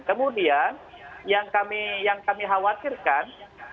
kemudian yang kami khawatirkan